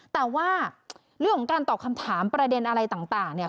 แต่ว่าเรื่องของการตอบคำถามประเด็นอะไรต่างเนี่ย